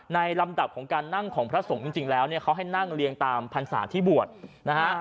ลำดับของการนั่งของพระสงฆ์จริงแล้วเนี่ยเขาให้นั่งเรียงตามพรรษาที่บวชนะฮะ